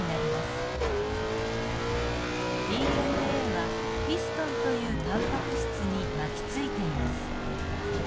ＤＮＡはヒストンというタンパク質に巻きついています。